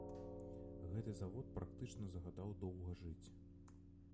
Гэты завод практычна загадаў доўга жыць.